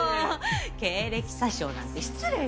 経歴詐称なんて失礼よ。